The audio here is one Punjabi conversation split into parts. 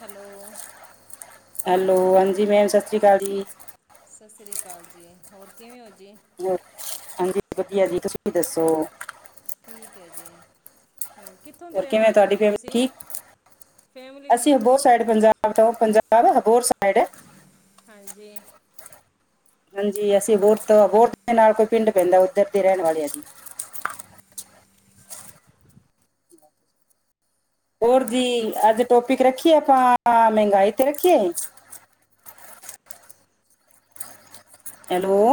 ਹੈਲੋ ਹੈਲੋ, ਹਾਂਜੀ ਮੈਮ ਸਤਿ ਸ਼੍ਰੀ ਅਕਾਲ ਜੀ। ਸਤਿ ਸ਼੍ਰੀ ਅਕਾਲ ਜੀ, ਹੋਰ ਕਿਵੇਂ ਔ ਜੀ? ਹਾਂਜੀ ਵਧੀਆ ਜੀ, ਤੁਸੀਂ ਵੀ ਦੱਸੋ? ਠੀਕ ਹੈ ਜੀ, ਕਿੱਥੋਂ ਦੇ ਹੋਰ ਰਹਿਣ ਕਿਵੇਂ ਵਾਲੇ ਹੋ ਤੁਹਾਡੀ ਜੀ ਫੈਮਿਲੀ ਤੁਸੀਂ? ਠੀਕ ਫੈਮਿਲੀ ਅਸੀਂ ਠੀਕ ਹੈ ਅਬੋਰ ਜੀ ਸਾਈਡ ਅੱਛਾ ਪੰਜਾਬ ਪੰਜਾਬ ਅਗੋਰ ਸਾਈਡ ਹੈ। ਹਾਂਜੀ, ਹਾਂਜੀ, ਅਸੀਂ ਬੋਰ ਤੋਂ ਬੋਰਟ ਦੇ ਨਾਲ ਕੋਈ ਪਿੰਡ ਪੈਂਦਾ, ਉੱਧਰ ਦੇ ਰਹਿਣ ਵਾਲੇ ਆ ਜੀ, ਹੋਰ ਜੀ ਅੱਜ ਟੋਪਿਕ ਰੱਖੀ ਐ, ਆਪਾ ਮਹਿੰਗਾਈ ਤੇ ਰੱਖੀ [unintelligible] ਹੈਲੋ, ਉਹ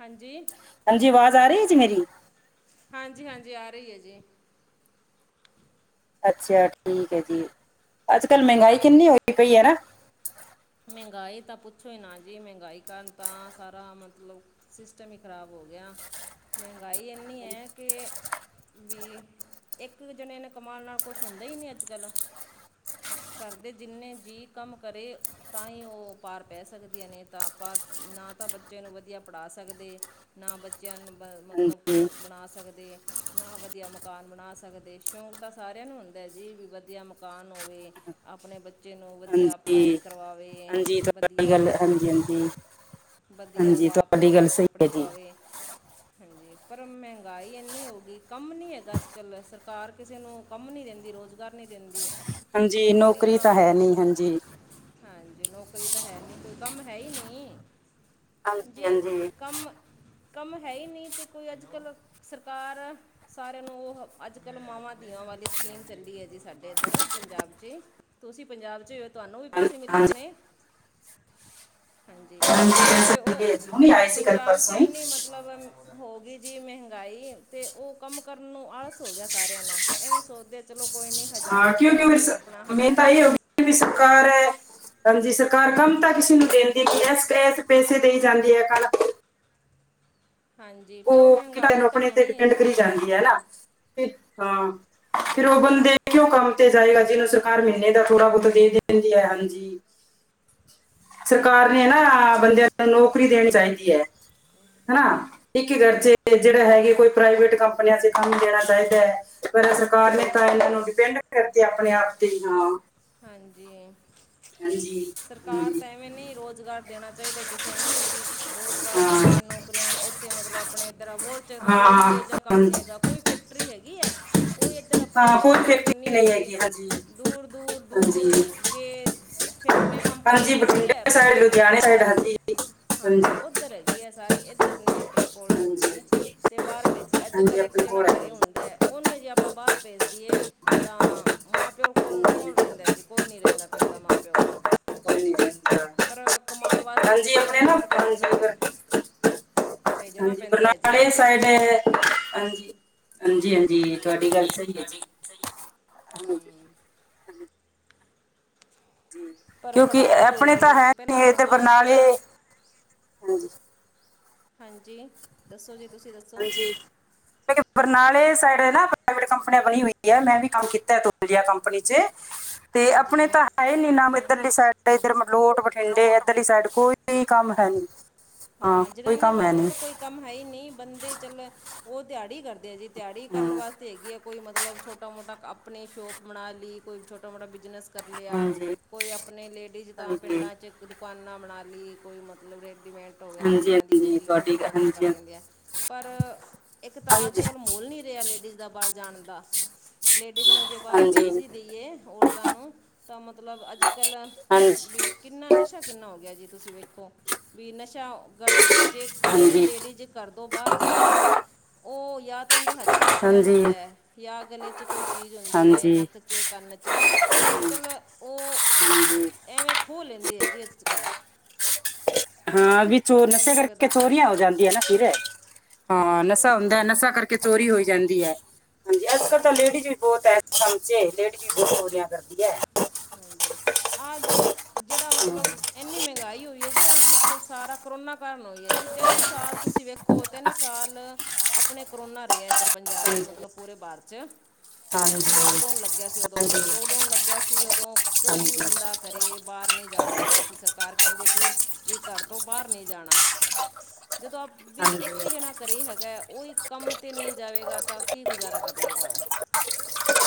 ਹਾਂਜੀ, ਹਾਂਜੀ, ਆਵਾਜ਼ ਆ ਰਹੀ ਹੈ ਜੀ ਮੇਰੀ, ਹਾਂਜੀ, ਹਾਂਜੀ ਆ ਰਹੀ ਹੈ ਜੀ। ਅੱਛਾ ਠੀਕ ਹੈ ਜੀ, ਅੱਜ-ਕੱਲ ਮਹਿੰਗਾਈ ਕਿੰਨੀ ਹੋਈ ਪਈ ਹੈ ਨਾ ਮਹਿੰਗਾਈ ਤਾਂ ਪੁੱਛੋ ਹੀ ਨਾ ਜੀ ਮਹਿੰਗਾਈ ਕਾਰਨ ਤਾਂ ਸਾਰਾ ਮਤਲਬ ਸਿਸਟਮ ਹੀ ਖ਼ਰਾਬ ਹੋ ਗਿਆ, ਮਹਿੰਗਾਈ ਇੰਨੀ ਹੈ ਕਿ ਵੀ ਇੱਕ ਜਣੇ ਨੇ ਕਮਉਣ ਨਾਲ ਕੁਛ ਹੁੰਦਾ ਹੀ, ਨਹੀਂ ਅੱਜ ਕੱਲ ਕਰਦੇ ਜਿੰਨੇ ਜੀ ਕੰਮ ਕਰੇ। ਤਾਂ ਹੀ ਉਹ ਪਾਰ ਪੈ ਸਕਦੀਆਂ ਨੇ, ਤਾਂ ਆਪਾਂ ਨਾ ਤਾਂ ਬੱਚੇ ਨੂੰ ਵਧੀਆ ਪੜ੍ਹਾ ਸਕਦੇ। ਨਾ ਬੱਚਿਆਂ ਨੂੰ ਬ ਮਤਲਬ ਹਾਂਜੀ ਕੁਛ ਬਣਾ ਸਕਦੇ। ਨਾ ਵਧੀਆ ਮਕਾਨ ਬਣਾ ਸਕਦੇ, ਸ਼ੌਂਕ ਤਾਂ ਸਾਰਿਆਂ ਨੂੰ ਹੁੰਦਾ ਜੀ, ਵੀ ਵਧੀਆ ਮਕਾਨ ਹੋਵੇ। ਆਪਣੇ ਬੱਚੇ ਨੂੰ ਵਧੀਆ ਪੜ੍ਹਾਈ ਹਾਂਜੀ ਕਰਵਾਵੇ ਹਾਂਜੀ ਤੁਹਾਡੀ ਵਧੀਆ, [unintelligible] ਵਧੀਆ ਉਹ ਹਾਂਜੀ ਆਪ ਤੁਹਾਡੀ ਗੱਲ ਰਵੇ ਸਹੀ ਕੱਪੜੇ ਹੈ ਜੀ ਪਾਵੇ। ਹਾਂਜੀ ਪਰ ਮਹਿੰਗਾਈ ਇੰਨੀ ਹੋਗੀ ਕੰਮ ਨੀ ਹੈਗਾ ਅੱਜਕੱਲ ਸਰ ਘਰ ਕਿਸੇ ਨੂੰ ਕੰਮ ਨਹੀਂ ਦਿੰਦੀ ਰੁਜ਼ਗਾਰ ਨਹੀਂ ਦਿੰਦੀ ਹਾਂਜੀ ਨੌਕਰੀ ਤਾਂ ਨੌਕਰੀਆਂ ਹੈ ਨਹੀਂ ਮਤਲਬ ਹਾਂਜੀ ਹਾਂਜੀ ਨੌਕਰੀ ਤਾਂ ਹੈ ਨੀ ਕੋਈ ਕੰਮ ਹੈ ਹੀ ਨਹੀਂੀ ਹਾਂਜੀ ਜੇ ਹਾਂਜੀ ਕੰਮ ਕੰਮ ਹੈ ਹੀ ਨਹੀਂ ਤੇ ਕੋਈ ਅੱਜ ਕੱਲ੍ਹ ਸਰਕਾਰ ਸਾਰਿਆਂ ਨੂੰ ਉਹ ਅੱਜ-ਕੱਲ੍ਹ ਮਾਵਾਂ ਦੀਆਂ ਵਾਲੀ ਸਕੀਮ ਚੱਲੀ ਹੈ, ਜਿਸ ਸਾਡੇ ਇੱਧਰ ਪੰਜਾਬ 'ਚ ਹੀ ਤੁਸੀਂ ਪੰਜਾਬ 'ਚ ਹੋ ਤੁਹਾਨੂੰ ਵੀ ਹਾਂ- ਪੈਸੇ ਮਿਲੇ ਹਾਂਜੀ ਹੋਣੇ, ਹਾਂਜੀ ਤੇ ਪੈਸੇ ਉਹ ਭੇਜ ਨਹੀਂ ਆਏ ਸੀ ਕੱਲ ਪੰਜਾਬ ਚ ਪਰਸੋਂ ਹੀ ਇਨੀ ਮਤਲਬ ਮਤਲਬ ਹੋ ਗਈ ਜੀ ਮਹਿੰਗਾਈ ਅਤੇ ਉਹ ਕੰਮ ਕਰਨ ਨੂੰ ਆਸ ਹੋ ਗਿਆ ਸਾਰਿਆਂ ਨੂੰ ਐਵੇਂ ਸੋਚਦੇ ਚਲੋ ਕੋਈ ਨਹੀਂ ਹਜ਼ਾਰ ਹਾਂ ਇੱਧਰੋਂ ਕਿਉਂਕਿ ਆਪਨਾ ਫਿਰ ਜਾਵੇਗਾ ਸ- ਆਪਣਾ ਮੈਂ ਹਜ਼ਾਰ ਇੱਧਰ ਵੀ ਸਰਕਾਰ ਹੈ ਹਜੀ ਸਰਕਾਰ ਕਮ ਤਾਂ ਕਿਸੇ ਨੂੰ ਦੇਿੰਦੀ ਹੈ ਕਿ ਇਸ ਪੈਸੇ ਦੇਈ ਜਾਂਦੀ ਹੈ ਕੱਲ ਹਾਂਜੀ ਫਿਰ ਉਹ ਕਿ ਤੁੂੰ ਮਹਿੰਗਾਈ ਤਾਂ ਆਪਣੇ ਤੇ ਹੋਣੀ ਹੈ ਡਿਪਿੰਡ ਜੀ ਕਰੀ ਜਾਂਦੀ ਹੈਨਾ ਅ ਹਾਂ ਫਿਰ ਉਹ ਹਾਂਜੀ ਬੰਦੇ ਕਿਉਂ ਕੰਮ ਤੇ ਜਾਏਗਾ ਕੰਮ ਜਿਹਨੂੰ ਕਰਨ ਸਰਕਾਰ ਮਹੀਨੇ ਤਾਂ ਥੋੜਾ ਬਹੁਤਾ ਦੇ ਦਿੰਦੀ ਹੈ ਹਾਂਜੀ ਸਰਕਾਰ ਨੇ ਹਾਂਜੀ ਨਾ ਬੰਦਿਆਂ ਨੂੰ ਨੌਕਰੀ ਦੇਣੀ ਚਾਹੀਦੀ ਹੈ ਹਨਾ ਇੱਕ ਕਰਚ ਜਿਹੜਾ ਹੈਗੇ ਹਾਂਜੀ ਕੋਈ ਪ੍ਰਾਈਵੇਟ ਕੰਪਨੀਆਂ ਚ ਕੰਮ ਦੇਣਾ ਚਾਹੀਦਾ ਹੈ ਪਰ ਸਰਕਾਰ ਨੇ ਹਾਂਜੀ ਤਾਂ ਇਹਨਾਂ ਨੂੰ ਡਿਪੈਂਡ ਕਰਤੀ ਆਪਣੇ ਆਪ ਤੇ ਹਾਂ ਹਾਂਜੀ ਹਾਂਜੀ ਸਰਕਾਰ ਹਾਂਜੀ ਤਾਂ ਐਵੇਂ ਨੀ ਰੁਜ਼ਗਾਰ ਦੇਣਾ ਚਾਹੀਦਾ ਕਿਸੇ ਨੂੰ ਵੀ ਰੁਜ਼ਗਾਰ ਹਾਂ ਸਰਕਾਰੀ ਨੌਕਰੀਆਂ ਇੱਥੇ ਮਤਲਬ ਆਪਣੇ ਇੱਧਰ ਹੋਰ ਜਕ ਕੋਈ ਹਾਂ ਇਹ ਜਾਂ ਕੰਮ ਨੀ ਹੈਗਾ ਹਾਂਜੀ, ਕੋਈ ਫੈਕਟਰੀ ਹੈਗੀ ਹੈ ਕੋਈ ਇੱਧਰ ਆਪਣੇ ਕੋਈ ਫੈਕਟਰੀ ਨਹੀਂ ਹੈਗੀ ਦੂਰ ਦੂਰ ਦੂਰ ਹਾਂਜੀ ਦੂਰ ਜੇ ਫੈਕਟਰੀਆਂ ਕੰਪਨੀਆਂ ਹਾਂਜੀ ਹੈਗੀ ਹੈ ਬਠਿੰਡੇ ਪਰ ਸਾਈਡ ਲੁਧਿਆਣੇ ਸਾਈਡ ਬਾਹਰ ਹਾਂਜੀ ਹਾਂਜੀ ਉੱਧਰ ਹੈਗੀ ਹੈਗੀ ਏ ਸਾਰੀ ਇੱਧਰ ਨਹੀਂ ਆਪਣੇ ਕੋਲ ਨਹੀਂ ਹੁੰਦੀ ਹਾਂਜੀ ਤੇ ਬਾਹਰ ਵਿਚ ਅੱਜ ਹਾਂਜੀ ਕੱਲ ਇੱਕ ਆਪਣੇ ਜਾਣਾ ਕੋਲ ਹੈ ਘਰੇ ਹੁੰਦਾ ਉਹਨੂੰ ਜੇ ਆਪਾਂ ਬਾਹਰ ਭੇਜਦੀਏ ਤਾਂ ਮਾਂ ਪਿਓ ਕੋਲ ਕੌਲ ਰਹਿੰਦੇ ਦਾ ਜੀ ਕੋਈ ਨੀ ਰਹਿੰਦਾ ਫਿਰ ਤਾਂ ਮਾਂ ਪਿਓ ਕੋਲ ਪਰ ਕਮਾਉਣ ਵਾਸਤੇ ਹਾਂਜੀ ਬੱਚਿਆਂ ਆਪਣੇ ਨੂੰ ਨਾ ਬਾਹਰ ਭੇਜਣਾ ਹਾਂਜੀ ਪਰ ਪੈਂਦਾ ਭੇਜਣਾ ਹਾਂਜੀ ਪੈਂਦਾ ਹੈ ਜੀ ਬਰਨਾਲੇ ਬੱਚਿਆਂ ਨੂੰ ਸਾਈਡ ਬਾਹਰ ਹਾਂਜੀ ਹਾਂਜੀ ਹਾਂਜੀ ਤੁਹਾਡੀ ਗੱਲ ਸਹੀ ਹੈ ਜੀ ਪਰ ਕਿਉਂਕਿ ਪੜ੍ਹਾਈ ਹੋ ਆਪਣੇ ਤਾਂ ਗਈ ਹੈ ਨੀ ਪਹਿਲਾਂ ਏਦਰ ਆ ਬਰਨਾਲੇ ਜਿਹੜਾ ਹਾਂਜੀ ਹਾਂਜੀ ਦੱਸੋ ਜੀ ਤੁਸੀਂ ਦੱਸੋ ਹਾਂਜੀ ਬਰਨਾਲੇ ਸਾਈਡ ਨਾ ਪ੍ਰਾਈਵੇਟ ਕੰਪਨੀਆਂ ਬਣੀ ਹੋਈ ਹੈ ਮੈਂ ਵੀ ਕੰਮ ਕੀਤਾ ਤੋਲ ਜਯਾ ਕੰਪਨੀ ਚ ਤੇ ਆਪਣੇ ਹਾਂਜੀ ਤਾਂ ਹੈ ਨੀ ਨਾਮ ਇੱਧਰਲੀ ਸਾਈਡ ਇੱਧਰ ਮਲੋਟ ਬਠਿੰਡੇ ਇੱਧਰਲੀ ਸਾਈਡ ਕੋਈ ਕੋਈ ਕੰਮ ਹੈ ਨੀ ਹਾਂ ਜਨਾਨੀਆਂ ਵਾਸਤੇ ਤਾਂ ਕੋਈ ਕੰਮ ਹੈ ਹੀ ਨਹੀਂ ਬੰਦੇ ਚੱਲ ਉਹ ਦਿਹਾੜੀ ਕਰਦੇ ਜੀ ਦਿਹਾੜੀ ਕਰਨ ਹਾਂ, ਵਾਸਤੇ ਹੈਗੀ ਆ ਕੋਈ ਮਤਲਬ ਛੋਟਾ ਮੋਟਾ ਆਪਣੇ ਸ਼ੋਪ ਬਣਾ ਲਈ ਕੋਈ ਛੋਟਾ ਮੋਟਾ ਬਿਜਨਸ ਕਰ ਲਿਆ ਹਾਂਜੀ ਕੋਈ ਆਪਣੇ ਲੇਡੀਜ਼ ਦਾ ਹਾਂਜੀ ਪਿੰਡਾਂ ਚ ਕੋਈ ਦੁਕਾਨਾਂ ਬਣਾ ਲਈ ਕੋਈ ਮਤਲਬ ਰੇਡੀਮੇਟ ਹੋ ਗਿਆ ਹਾਂਜੀ ਕੱਪੜਿਆਂ ਦੀ ਹੋ ਹਾਂਜੀ ਗਈ ਉਹ ਤੁਹਾਡੀ ਦੁਕਾਨਾਂ ਹਾਂਜੀ ਕਰ ਲੈਂਦਿਆ ਹੈ ਪਰ ਇੱਕ ਤਾਂ ਅੱਜ ਹਾਂਜੀ ਕੱਲ ਮਹੌਲ ਨੀ ਰਿਹਾ ਲੇਡੀਜ਼ ਦਾ ਬਾਹਰ ਜਾਣ ਦਾ ਲੇਡੀਜ਼ ਨੂੰ ਜੇ ਬਾਹਰ ਭੇਜ ਹਾਂਜੀ ਹੀ ਦੇਈਏ ਔਰਤਾਂ ਨੂੰ ਤਾਂ ਮਤਲਬ ਅੱਜ ਕੱਲ੍ਹ ਹਾਂਜੀ ਵੀ ਕਿੰਨਾ ਨਸ਼ਾ ਕਿੰਨਾ ਹੋ ਗਿਆ ਜੀ ਤੁਸੀਂ ਵੇਖੋ ਵੀ ਨਸ਼ਾ ਗਲ ਜੇ ਇਕੱਲੀ ਹਾਂਜੀ ਲੇਡੀਜ਼ ਘਦੋ ਬਾਹਰ ਜਾਏਗੀ ਉਹ ਯਾ ਤਾਂ ਉਹਦੇ ਹੱਥ ਚ ਫੋਨ ਹਾਂਜੀ ਹੁੰਦਾ ਹੈ ਜਾਂ ਗਲੇ 'ਚ ਕੋਈ ਚੀਜ਼ ਹੁੰਦੀ ਹੈ ਹਾਂਜੀ ਨਕ 'ਚ ਕੰਨ 'ਚ ਅੱਜ ਕੱਲ੍ਹ ਉਹ ਹਾਂਜੀ। ਐਵੇਂ ਖੋਹ ਲੈਂਦੇ ਆ ਜੀ ਅੱਜ ਕੱਲ੍ਹ ਹਾਂ ਵੀ ਚੋ ਪਤਾ ਹੀ ਨਹੀਂ ਨਸ਼ੇ ਕਰਕੇ ਲੱਗਦਾ ਚੋਰੀਆਂ ਹੋ ਜਾਂਦੀਆਂ ਨਾ ਫਿਰ ਹਾਂ ਹਾਂਜੀ ਨਸ਼ਾ ਸਹੀ ਹੁੰਦਾ ਗੱਲ ਹੈ ਨਸ਼ਾ ਜੀ ਕਰਕੇ ਚੋਰੀ ਹੋਈ ਜਾਂਦੀ ਹੈ ਹਾਂਜੀ ਅੱਜ ਕੱਲ ਤਾਂ ਹਾਂਜੀ ਲੇਡੀਜ਼ ਵੀ ਬਹੁਤ ਇਸ ਕੰਮ ਚ ਲੇਡੀਜ ਵੀ ਬਹੁਤ ਚੋਰੀਆਂ ਕਰਦੀਆਂ ਨੇ। ਹਾਂਜੀ ਆਹ ਜੀ। ਜਿਹੜਾ ਹਮ, ਮਤਲਬ ਇੰਨੀ ਮਹਿੰਗਾਈ ਹੋਈ ਹੈ ਜੀ ਆ ਮਤਲਬ ਸਾਰਾ ਕਰੋਨਾ ਕਾਰਨ ਹੋਈ ਹੈ ਜੀ। ਤਿੰਨ ਸਾਲ ਤੁਸੀਂ ਵੇਖੋ ਤਿੰਨ ਸਾਲ ਆਪਣੇ ਕਰੋਨਾ ਰਹਿਆ। ਇੱਧਰ ਪੰਜਾਬ ਹਾਂਜੀ ਮਤਲਬ ਪੂਰੇ ਭਾਰਤ 'ਚ ਹਾਂਜੀ ਲੋਕਡਾਊਨ ਲੱਗਿਆ ਸੀ ਉਦੋਂ ਲੋਕਡਾਊਨ ਲੱਗਿਆ ਸੀ ਉਦੋਂ ਕੋਈ ਵੀ ਹਾਂਜੀ ਹਾਂਜੀ ਬੰਦਾ ਘਰੇ ਬਾਹਰ ਨਹੀਂ ਜਾਣ ਦਿੰਦੇ ਸੀ ਸਰਕਾਰ ਕਹਿੰਦੀ ਸੀ ਵੀ ਘਰ ਤੋਂ ਬਾਹਰ ਨਹੀਂ ਜਾਣਾ। ਜਦੋਂ ਆਪ ਵੀ ਇੱਕ ਹਾਂਜੀ ਜਣਾ। ਘਰੇ ਹੈਗਾ ਉਹੀ ਕੰਮ ਤੇ ਨਹੀਂ ਜਾਵੇਗਾ ਤਾਂ ਕੀ ਗੁਜ਼ਾਰਾ ਕਰ ਲਏਗਾ ਉਹ।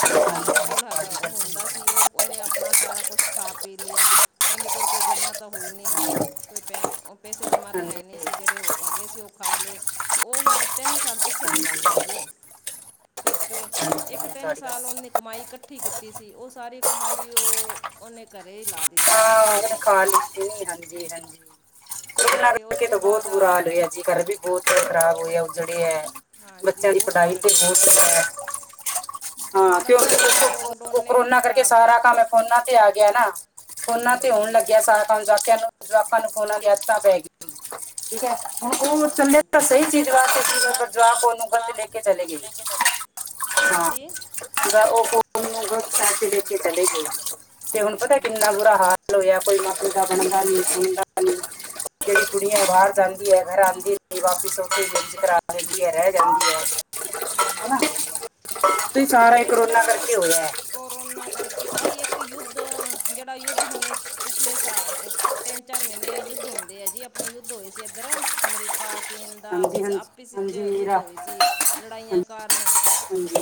ਜਿੰਨਾ ਉਹਂਦੇ ਕੋਲ ਹੈਗਾ ਤੁਹਾਡੀ ਉਹ ਗੱਲ ਸਹੀ ਹੁੰਦਾ ਹੈ। ਸੀ। ਉਹ ਉਹਨੇ ਆਪਣਾ ਸਾਰਾ ਕੁਛ ਖਾ ਪੀ ਲਿਆ ਉਹਂਦੇ ਕੋਲ ਕੋਈ ਜਮ੍ਹਾਂ ਤਾਂ ਹੋਈ ਨਹੀਂ। ਹਾਂਜੀ ਕੋਈ ਪੈ ਉਹ ਪੈਸੇ ਜਮ੍ਹਾਂ ਤਾਂ ਹਾਂਜੀ ਹੈ ਨਹੀਂ ਸੀ ਜਿਹੜੇ ਉਹ ਹੈਗੇ ਸੀ ਉਹ ਖਾ ਲਏ। ਉਹ ਹੁਣ ਤਿੰਨ ਸਾਲ ਪਿੱਛੇ ਚਲਾ ਗਿਆ ਜੀ। ਸੋਚੋ ਇੱਕ ਹਾਂਜੀ ਤਿੰਨ ਤੁਹਾਡੀ ਸਾਲ ਗੱਲ ਉਹਨੇ ਕਮਾਈ ਇਕੱਠੀ ਕੀਤੀ ਸੀ ਉਹ ਸਾਰੀ ਕਮਾਈ ਉਹ ਉਹਨੇ ਘਰੇ ਹੀ ਲਾ ਦਿੱਤੀ। ਸਾਰੇ ਸਪ ਖਾਣ ਚ ਨਹੀਂ ਆਂਦੀ ਹਾਂਜੀ ਹਾਂਜੀ। ਇਹਨਾਂ ਅਤੇ ਉਸ ਕਰਕੇ ਤੋਂ ਤਾਂ ਬਹੁਤ ਬਾਅਦ ਬੁਰਾ ਆ ਹਾਲ ਹੋਇਆ ਜੀ ਘਰ ਵੀ ਬਹੁਤ ਖਰਾਬ ਹੋਇਆ ਉਜੜੇਆ। ਹਾਂਜੀ ਬੱਚਿਆਂ ਦੀ ਬਹੁਤ ਪੜ੍ਹਾਈ ਤੇ ਉਜੜੇ ਹੈ ਬਹੁਤ ਜੀ ਸੁਾ [inaudible] ਹੈ ਹਾਂ ਸਾਰਾ ਕੁਛ ਕਿਉਂਕਿ ਤਾਂ ਦੇਖੋ ਲੋਕਡਾਊਨ ਨੇ ਕਰੋਨਾ ਕਰਕੇ ਖਰਾਬ ਕਰ ਸਾਰਾ ਕੰਮ ਫੋਨਾ ਤੇ ਆ ਗਿਆ ਨਾ। ਫੋਨਾਂ ਤੇ ਹੋਣ ਹਾਂਜੀ ਲੱਗਿਆ ਸਾਰਾ ਕੰਮ ਆਪਾ ਨੂੰ ਜਵਾਕਾਂ ਨੂੰ ਫੋਨਾਂ ਦੀ ਆਦਤਾਂ ਪੈ ਗਈਆਂ। ਠੀਕ ਹੈ। ਹੁਣ ਹਾਂਜੀ ਉਹ ਹਾਂਜੀ ਚੱਲੇਂ ਤਾਂ ਸਹੀ ਸੀ ਚੀਜ਼ ਵਾਸਤੇ, ਜਵਾਕ ਉਹਨੂੰ ਗ਼ਲਤ ਲੈ ਕੇ ਚਲੇ ਗਏ। ਲੈ ਕੇ ਚਲੇ ਹਾਂ ਹਾਂਜੀ। ਉਹ ਚ ਦੇਖ ਕੇ ਚਲੇ ਗਏ, ਤੇ ਹੁਣ ਪਤਾ ਕਿੰਨਾ ਹਾਂਜੀ ਬੁਰਾ ਹਾਲ [inaudible] ਹੋਇਆ ਕੋਈ ਰੋਟੀ ਸੂਬੂ [inaudible] ਣ ਦਾ ਬਣਦਾ ਨੀ, ਜਿਹੜੀ ਕੁੜੀਆਂ ਬਾਹਰ ਜਾਂਦੀ ਐ ਘਰ ਆਉਂਦੀ ਵਾਪਸ, ਉੱਥੇ ਮੈਰੀਜ ਕਰਾਂ ਲੈਂਦੀ ਆ, ਰਹਿ ਜਾਂਦੀ ਐ, ਹਾਂਜੀ ਹਾਂਜੀ ਬਈ ਸਾਰਾ ਹੀ ਕਰੋਨਾ ਕਰਕੇ ਹੋਇਆ ਐ। ਕੋੋਰੋਨਾ ਕਰਕੇ, ਆਹੀ ਇੱਕ ਯੁੱਧ ਜਿਹੜਾ ਯੁੱਧ ਹੁਣੇ ਪਿਛਲੇ ਸਾਲ ਤਿੰਨ ਚਾਰ ਮਹੀਨੇ ਯੁੱਧ ਹੁੰਦੇ ਆ ਜੀ, ਆਪਣੇ ਯੁੱਧ ਹੋਏ ਸੀ, ਇੱਧਰ ਅਮਰੀ ਕਾ ਚੀਨ ਦਾ ਆਪ ਹਾਂਜੀ ਹਾਂਜੀ ਆਪਿਸ ਵਿੱਚ ਹਾਂਜੀ ਯੁੱਧ ਰਾ ਹੋਏ ਸੀ। ਲੜਾਈਆਂ ਹਾਂਜੀ ਕਾਰਨ ਹਾਂਜੀ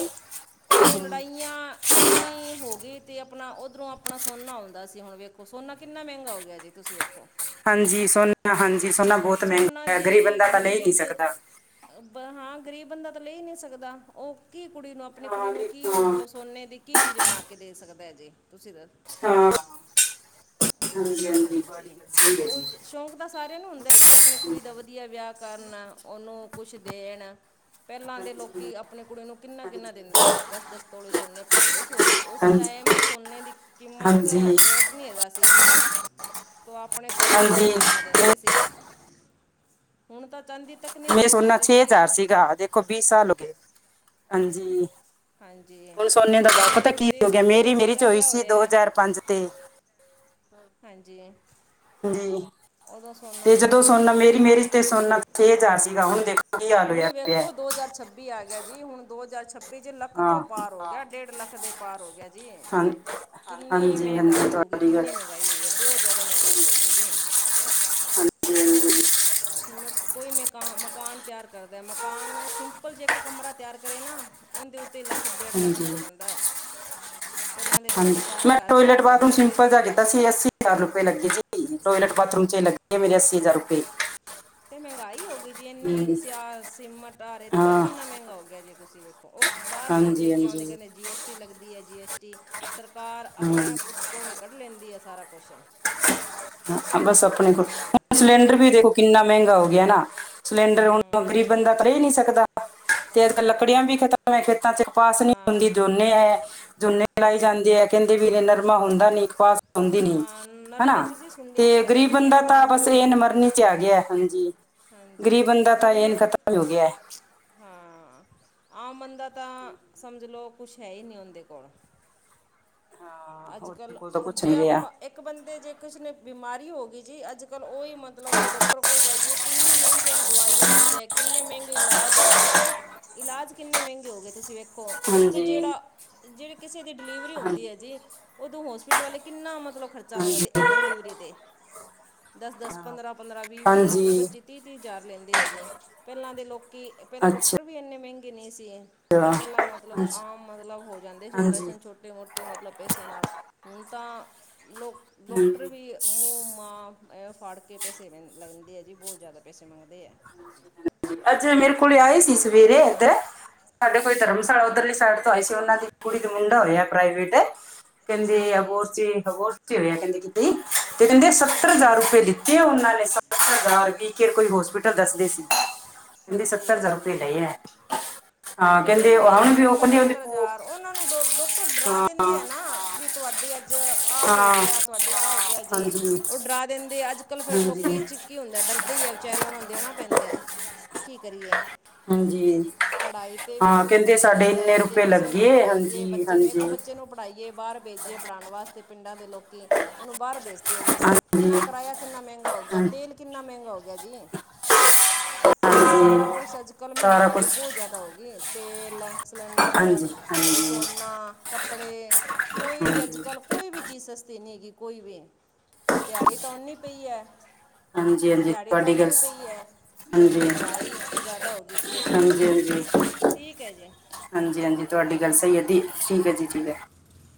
ਤੇ ਉਹ ਲੜਾਈਆਂ ਇੰਨੀ ਹੋ ਗਈ ਤੇ ਆਪਣਾ ਉੱਧਰੋਂ ਆਪਣਾ ਸੋਨਾ ਆਉਂਦਾ ਸੀ, ਹੁਣ ਵੇਖੋ ਸੋਨਾ ਕਿੰਨਾ ਮਹਿੰਗਾ ਹੋ ਗਿਆ ਜੇ। ਤੁਸੀਂ ਵੇਖੋ। ਹਾਂਜੀ ਸੋਨਾ ਹਾਂਜੀ ਸੋਨਾ ਬਹੁਤ ਮਹਿੰਗਾ ਸੋਨਾ ਹੋ ਆ, ਗ਼ਰੀਬ ਜੀ ਬੰਦਾ ਤਾਂ ਲੈ ਹੀ ਨੀ ਗਰੀਬ ਸਕਦਾ। ਹਾਂ ਗ਼ਰੀਬ ਬੰਦਾ ਤਾਂ ਲੈ ਨੀ ਸਕਦਾ, ਉਹ ਕੀ ਕੁੜੀ ਨੂੰ ਆਪਣੀ ਹਾਂ ਕੁੜੀ ਨੂੰ ਵੀ ਕੀ ਹਾਂ ਮਤਲਬ ਸੋਨੇ ਦੀ ਕੀ ਚੀਜ਼ ਬਣਾ ਕੇ ਦੇ ਸਕਦਾ ਜੀ, ਤੁਸੀਂ ਦ ਹਾਂ ਹਾਂਜੀ ਹਾਂਜੀ, ਤੁਹਾਡੀ ਗੱਲ ਸਹੀ ਐ ਜੀ। ਸ਼ੌਕ ਤਾਂ ਸਾਰਿਆਂ ਨੂੰ ਹੁੰਦਾ ਐ ਜੀ, ਆਪਣੀ ਕੁੜੀ ਦਾ ਵਧੀਆ ਵਿਆਹ ਕਰਨ ਉਹਨੂੰ ਕੁਛ ਦੇਣ ਪਹਿਲਾਂ ਦੇ ਲੋਕ ਹਾਂਜੀ ਆਪਣੀ ਕੁੜੀ ਨੂੰ ਕਿੰਨਾ ਕਿੰਨਾ ਹਾਂਜੀ ਦਿੰਦੇਂ ਸੀ, ਦਸ ਦਸ ਤੌਲੇ ਸੋਨੇ ਪਾਉਂਦੇ ਸੀ ਉਦੋਂ ਉਸ ਹਾਂਜੀ ਟੈਮ ਸੋਨੇ ਦੀ ਕੀਮਤ ਹਾਂਜੀ ਰੇਟ ਕੱਟ ਨਹੀਂ ਹੈਗਾ ਸੀ, ਤੋਂ ਆਪਣੀ ਕੁੜੀ ਨੂੰ ਬਹੁਤ ਹਾਂਜੀ ਸੋਨਾ ਮੈਂ ਦਿੰਦੇ ਸੀਗੇ। ਹੁਣ ਤਾਂ ਚਾਂਦੀ ਮੈਂ ਸੋਨਾ ਸਕਦੇ ਛੇ ਹਜ਼ਾਰ ਜੀ ਸੀਗਾ ਦੇਖੋ ਵੀਹ ਸਾਲ ਹੋ ਗਏ, ਹਾਂਜੀ, ਹਾਂਜੀ ਹੁਣ ਸੋਨੇ ਦਾ ਵਾ ਮੇਰੀ ਪਤਾ ਕੀ ਮੇਰੇ ਹੋ ਗਿਆ, ਜਦੋਂ ਮੇਰੀ ਮੇਰੀ ਮੇਰਾ ਵਿਆਹ ਚੋਇਸ ਸੀ, ਦੋ ਹੋਇਆ ਹਜ਼ਾਰ ਪੰਜ ਹਾਂਜੀ। ਜੀ ਉਦੋਂ ਸੋਨਾ ਤੇ ਜਦੋਂ ਠੀਕ ਸੋਨਾ ਹਾਂ ਮੇਰੀ ਮੈਰੀਜ ਤੇ ਸੋਨਾ ਛੇ ਹਜ਼ਾਰ ਸੀਗਾ, ਹੁਣ ਦੇਖੋ ਕੀ ਹਾਲ ਹੁਣ ਹੋਇਆ ਪਿਆ ਵੇਖੋ ਹੈ। ਦੋ ਹਜ਼ਾਰ ਛੱਬੀ ਆ ਗਿਆ ਜੀ, ਹੁਣ ਦੋ ਹਜ਼ਾਰ ਛੱਬੀ ਤੇ ਜੇ ਲੱਖ ਤੋਂ ਹਾਂ ਪਾਰ ਹੋ ਗਿਆ, ਡੇਢ ਲੱਖ ਦੇ ਪਾਰ ਹੋ ਗਿਆ ਜੀ। ਹਾਂ ਕਿੰਨੀ ਹਾਂਜੀ ਹਾਂਜੀ ਮਹਿੰਗਾਈ ਹੋ ਗਈ, ਤੁਹਾਡੀ ਗੱਲ ਕਿੰਨੀ ਮਹਿੰਗਾਈ ਹੋਈ ਆ, ਬੌਤ ਜੈਦਾ ਮਹਿੰਗਾਈ ਹੋ ਗਈ ਜੀ। ਹਾਂਜੀ-ਹਾਂਜੀ। ਹੁਣ ਕੋਈ ਮੇਕਾ ਮਕਾਨ ਤਿਆਰ ਲੱਗਦਾ, ਮਕਾਨ ਸਿੰਪਲ ਜੇ ਇੱਕ ਕਮਰਾ ਤਿਆਰ ਕਰੇ ਨਾ, ਉਨਦੇ ਉ ਤੇ ਲੱਖ-ਡੇਢ ਲੱਖ ਹਾਂਜੀ ਲੱਗ ਜਾਂਦਾ ਐ। ਹਾਂਜੀ, ਮੈਂ ਟੋਇਲੇਟ ਤਿਆਰ ਕਰ ਬਾਥਰੂਮ ਲੈਂਦੇ ਸਿੰਪਲ ਜਿਹਾ ਕੀਤਾ ਸੀ, ਅੱਸੀ ਹਜਾਰ ਰੁਪਏ ਲੱਗੇ ਸੀ, ਟੋਇਲੇਟ ਬਾਥਰੂਮ ਚ ਲੱਗੇ ਮੇਰੇ ਅੱਸੀ ਹਜ਼ਾਰ ਰੁਪਏ। ਤੇ ਮਹਿੰਗਾਈ ਹੋ ਗਈ ਜੀ, ਇੰਨੀ ਹਮ, ਸਿਆਰ ਸੀਮੈਂਟ ਆ ਰੇਤਾ ਹਾਂ ਕਿੰਨਾ ਮਹਿੰਗਾ ਹੋ ਗਿਆ ਜੀ, ਤੁਸੀਂ ਵੇਖੋ। ਉਹ ਬਾਹਰ ਹਾਂਜੀ ਲੇਖ ਕੇ ਆਉਂਦੇ, ਹਾਂਜੀ ਕਹਿੰਦੇ ਜੀ ਐਸ ਟੀ ਲੱਗਦੀ ਐ, ਜੀ ਐਸ ਟੀ ਸਰਕਾਰ ਹਮ, ਅਪਣੇ ਬੂ ਕੋਲੋਂ ਈ ਕੱਢ ਲੈਂਦੀ ਆ ਸਾਰਾ ਕੁਛ। ਬਸ ਅਪਣੇ ਕੋਲ, ਮਹਿੰਗਾ ਹੁਣ ਸਿਲੰਡਰ ਵੀ ਹਾਂ ਦੇਖੋ ਕਿੰਨਾ ਮਹਿੰਗਾ ਹੋ ਗਿਆ ਨਾ। ਸਿਲੰਡਰ ਹੁਣ ਹਾਂ ਗ਼ਰੀਬ ਬੰਦਾ ਤਾਂ ਲੈ ਈ ਨਈ ਸਕਦਾ, ਤੇ ਅੱਜਕੱਲ ਲੱਕੜੀਆਂ ਵੀ ਹਾਂ ਖਤਮ ਵੇਂ ਖੇਤਾਂ ਚ ਕਪਾਸ ਨੀ ਹੁੰਦੀ ਹਾਂ ਝੋਨੇ ਐਐ। ਝੋਨੇ ਲਾਏ ਜਾਂਦੇ ਐ, ਕੈਂਦੇ ਵੀ ਨਰਮਾ ਹੁੰਦਾ ਨੀ, ਕਪਾਸ ਹੁੰਦੀ ਨੀ, ਹਾਂ ਹੈਨਾ। ਨਰਮੇ 'ਚ ਜੀ ਸੁੰਡੀਆਂ ਤੇ ਪੈ ਗ਼ਰੀਬ ਜਾਂਦੀਆਂ ਬੰਦਾ ਤਾਂ ਬਸ ਕਰਕੇ ਇਹ ਨਮਰਨੀ ਚ ਆ ਗਿਆ, ਹਾਂਜੀ। ਹਾਂਜੀ, ਗਰੀਬ ਬੰਦਾ ਨਰਮਾ ਇਹਨ ਤਾਂ ਖਤਮ ਹੋ ਗਿਆ ਹੈ ਹਾਂ, ਆਮ ਬੰਦਾ ਤਾਂ ਸਮਝ ਲੋ ਕੁਛ ਹੈ ਈ ਨੀ ਉਹਂਦੇ ਕੋਲ। ਅੱਜ ਉਹਦੇ ਕੱਲ ਕੋਲ ਤਾਂ ਕੁਝ ਜੇ ਨਹੀਂ ਰਿਹਾ ਆਪਾਂ ਇੱਕ ਬੰਦੇ ਜੇ ਕਿਸੇ ਨੇ ਬਿਮਾਰੀ ਹੋ ਗਈ ਜੀ, ਅੱਜ-ਕੱਲ ਉਹੀ ਮਤਲਬ ਜੇ ਡੋਕਟਰ ਕੋਲ ਜਾਈਏ ਕਿੰਨੀ ਮਹਿੰਗੀਆਂ ਦਵਾਈਆਂ ਆਂਦੇ, ਕਿੰਨੇ ਮਹਿੰਗੇ ਇਲਾਜ ਹੈਗੇ ਐ। ਇਲਾਜ ਕਿੰਨੇ ਮਹਿੰਗੇ ਹੋ ਗਏ, ਤੁਸੀਂ ਵੇ ਖੋ, ਇੱਕ ਹਾਂਜੀ ਜੇੜਾ ਜੇੜੀ ਕਿਸੇ ਦੀ ਡਿਲੀਵਰੀ ਹੁੰਦੀ ਹਾਂਜੀ ਐ ਜੀ ਉਦੋਂ ਹੋਸਪਿਟਲ ਵਾਲੇ ਕਿੰਨਾ ਮਤਲਬ ਖਰਚਾ ਹਾਂਜੀ ਮੰਗਦੇ ਇੱਕ ਡਿਲੀਵਰੀ ਤੇ ਦਸ-ਦਸ, ਹਾਂ, ਪੰਦਰਾਂ-ਪੰਦਰਾਂ, ਵੀਹ-ਵੀਹ, ਹਾਂਜੀ ਪੱਚੀ-ਪੱਚੀ ਤੀਹ-ਤੀਹ ਹਜਾਰ ਲੈਂਦੇ ਆ ਜੇ, ਪੈਲਾਂ ਦੇ ਲੋਕੀ ਪੈਲਾਂ ਅੱਛਾ ਡਾਕਟਰ ਵੀ ਇੰਨੇ ਮਹਿੰਗੇ ਨਈ ਸੀ। ਪੈਲਾਂ ਮਤਲਬ ਹਾਂਜੀ ਆਮ ਮਤਲਬ ਹੋ ਜਾਂਦੇ ਸੀ ਹਾਂਜੀ ਓਪ੍ਰਰਸ਼ਨ ਛੋਟੇ ਮੋਟੇ ਮਤਲਬ ਪੇਸਿਆਂ ਨਾਲ, ਹੁਣ ਤਾਂ ਲੋਕ ਡੋਕਟਰ ਹਾਂਜੀ ਵੀ ਮੂੰ ਮਾਂ ਇਹ ਫੜ ਕੇ ਪੈਸੇੈਂ ਲੈਂਦੇ ਆ ਜੀ ਬਹੁਤ ਜੈਦਾ ਪੈਸੇ ਮੰਗਦੇ ਆ। ਅੱਜ ਮੇਰੇ ਕੋਲ ਆਏ ਸੀ ਸਵੇਰੇ ਇੱਧਰ ਸਾਡੇ ਕੋਈ ਧਰਮਸ਼ਾਲਾ ਹਾਂਜੀ ਉੱਧਰ ਲਈ ਸਾਇਡ ਤੋਂ ਆਏ ਸੀ, ਉਹਨਾਂ ਦੀ ਕੁੜੀ ਦਾ ਮੁੰਡਾ ਹੋਇਆ ਪ੍ਰਾਈਵੇਟ ਕਹਿੰਦੇ ਅ ਹਾਂਜੀ [unintelligible] ਹੋਇਆ ਕੈਂਦੇ ਕਿਤੇ ਕੈਂਦੇ ਸੱਤਰ ਹਾਂਜੀ ਹਜ਼ਾਰ ਰੁਪਏ ਦਿੱਤੇ ਉਹਨਾਂ ਨੇ ਸੱ [unintelligible] ਕੇਅਰ ਕੋਈ ਹੋਸਪਿਟਲ ਦੱਸਦੇ ਸੀ। ਸੱਤਰ ਹਾਂਜੀ ਹਜ਼ਾਰ ਰੁਪਏ ਲਏ ਐ। ਤੇ ਲੈਂਦੇ ਆ ਜੀ ਸੱਤਰ-ਸੱਤਰ ਹਜ਼ਾਰ, ਉਹਨਾ ਨੂੰ ਡੋਕਟਰ ਡਰਾ ਦਿੰਦੇ ਹਾਂ ਆ ਨਾ ਵੀ ਤੁਆਡੀ ਅੱਜ ਆਹ ਹੋ ਹਾਂ ਗਿਆ ਤੁਆਡੇ ਆਹ ਹੋ ਗਿਆ ਜੇ, ਹਾਂਜੀ ਉਹ ਡਰਾ ਦਿੰਦੇ ਅੱਜ ਕੱਲ ਫੇਰ ਲੋਕੀ ਹਾਂਜੀ ਚ ਕੀ ਹੁੰਦਾ ਡਰਦੇ ਈ‌ ਐ ਵਿਚਾਰੇ ਉਹਨਾਂ ਨੂੰ ਦੇਣਾ ਪੈਂਦਾ, ਕੀ ਕਰੀਏ? ਹਾਂਜੀ, ਪੜ੍ਹਾਈ ਤੇ ਵੀ ਹਾਂ ਕਿੰਨਾ ਕੈਂਦੇ ਖਰਚਾ ਸਾਡੇ ਲੱਗਦਾ ਇੰਨੇ ਹੈ ਜੇ ਰੁਪਏ ਕਿਸੇ ਨੂੰ ਲੱਗਏ, ਪੜ੍ਹਾਈਏ ਬੱਚੇ ਨੂੰ ਇੱਕ ਹਾਂਜੀ-ਹਾਂਜੀ। ਬੱਚੇ ਨੂੰ ਪੜਾਈਏ ਬਾਹਰ ਭੇਜੀਏ ਪੜਾਣ ਵਾਸਤੇ ਪਿੰਡਾਂ ਦੇ ਲੋਕੀ ਉਹਨੂੰ ਬਾਹਰ ਭੇਜ ਜੀ ਹਾਂਜੀ ਕਿੰਨਾ ਕਿਰਾਇਆ ਕਿੰਨਾ ਮਹਿੰਗਾ ਹੋ ਗਿਆ, ਹਾਂ ਤੇਲ ਕਿੰਨਾ ਮਹਿੰਗਾ ਹੋ ਗਿਆ ਜੀ। ਹਾਂਜੀ ਸਾਰਾ ਕੁਛ ਅੱਜ-ਕੱਲ ਸਾਰਾ ਮਹਿੰਗਾਈ ਕੁਛ ਬੌਤ ਜੈਦਾ ਹੋ ਗਈ ਤੇਲ ਸਲੰਡਰ, ਹਾਂਜੀ ਬਈ ਹਾਂਜੀ ਸੋਨਾ, ਕੱਪੜੇ ਕੋਈ ਵੀ ਹਾਂਜੀ ਅੱਜ-ਕੱਲ ਕੋਈ ਵੀ ਚੀਜ਼ ਸਸਤੀ ਨਈ ਐਗੀ। ਕੋਈ ਵੀ ਦਿਹਾੜੀ ਤਾਂ ਓਨੀ ਪਈ ਐ। ਹਾਂਜੀ ਹਾਂਜੀ ਦਿਹਾੜੀ ਤਾਂ ਤੁਹਾਡੀ ਗੱਲ ਓਨੀ ਸ- ਪਈ ਐ। ਤੇ ਹਾਂਜੀ ਮਹਿੰਗਾਈ ਜੈਦਾ ਹੋ ਗਈ ਜੀ, ਠੀਕ ਐ ਜੀ। ਹਾਂਜੀ-ਹਾਂਜੀ, ਤੁਆਡੀ ਗੱਲ ਸਈ ਐ ਦੀ ਠੀਕ ਐ ਜੀ ਠੀਕ ਐ।